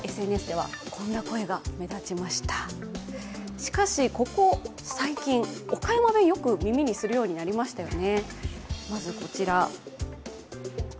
しかし、ここ最近、岡山弁、よく耳にするようになりましたよね。